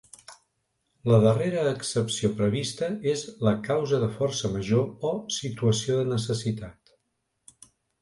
La darrera excepció prevista és la “causa de força major o situació de necessitat”.